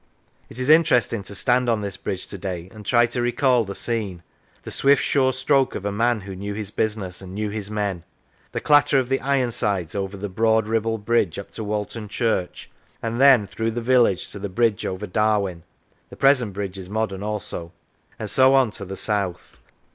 It is interesting to stand on this bridge to day and try to recall the scene the swift, sure stroke of a man who knew his business and knew his men; the clatter of the Ironsides over the broad Kibble bridge, up to Walton Church, and then through the village to the bridge over Darwen (the present bridge is modern also), and so on to the south.